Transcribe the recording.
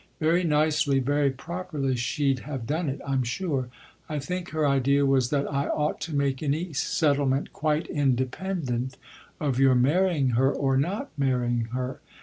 Very nicely, very properly she'd have done it, I'm sure. I think her idea was that I ought to make any settlement quite independent of your marrying her or not marrying her.